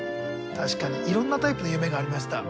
確かにいろんなタイプの夢がありました。